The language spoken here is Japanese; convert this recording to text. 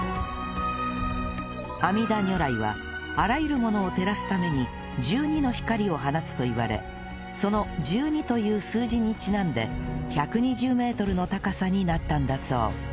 阿弥陀如来はあらゆるものを照らすために１２の光を放つといわれその１２という数字にちなんで１２０メートルの高さになったんだそう